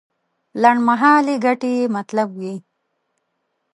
لنډمهالې ګټې یې مطلب وي.